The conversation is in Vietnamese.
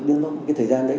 nếu không cái thời gian đấy